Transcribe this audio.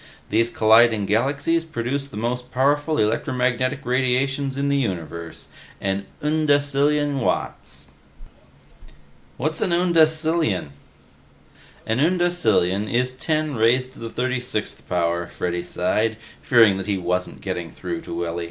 These colliding galaxies produce the most powerful electromagnetic radiations in the universe an undecillion watts!" "What's an undecillion?" "An undecillion is ten raised to the 36th power," Freddy sighed, fearing that he wasn't getting through to Willy.